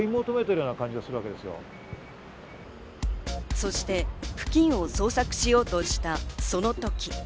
そして付近を捜索しようとした、その時。